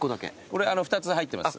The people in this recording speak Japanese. これ２つ入ってます。